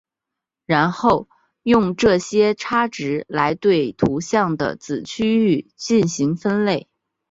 然后用这些差值来对图像的子区域进行分类。